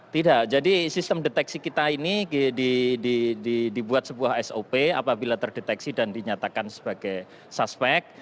tidak jadi sistem deteksi kita ini dibuat sebuah sop apabila terdeteksi dan dinyatakan sebagai suspek